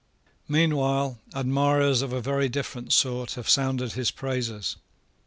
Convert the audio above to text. Meanwhile admirers of a very different sort have sounded his praises.